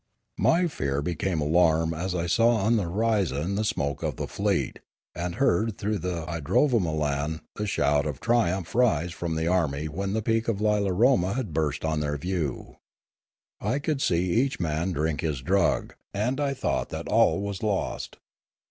My fear became alarm as I saw on the horizon the Choktroo 215 smoke of the fleet and heard through the idrovamolan the shout of triumph rise from the array when the peak of Lilaroma had burst on their view. I could see each man drink his drug; and I thought that all was lost.